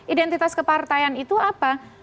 identitas kepartaian itu apa